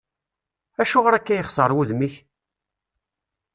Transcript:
Acuɣer akka yexseṛ wudem-ik?